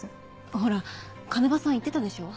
ほら鐘場さん言ってたでしょ？